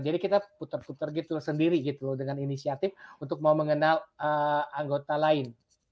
jadi kita putar putar gitu sendiri gitu dengan inisiatif untuk mau mengenal anggota lain